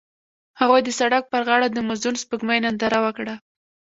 هغوی د سړک پر غاړه د موزون سپوږمۍ ننداره وکړه.